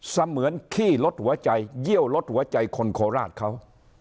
เสมือนขี้ลดหัวใจเยี่ยวลดหัวใจคนโคราชเขา